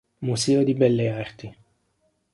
Museo di Belle Arti.